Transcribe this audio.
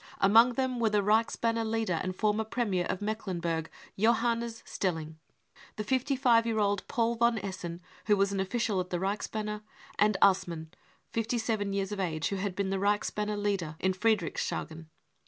Among them were the Reichsbanner leader and former premier of Mecklenburg, Johannes Stelling ; the fifty five year old Paul von Essen, who was an official in the Reichsbanner ; and Assmann, fifty seven years of age, who had been Reichsbanner leader in Friedrichshagen.